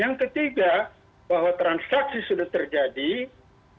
yang ketiga bahwa transaksi sudah terjadi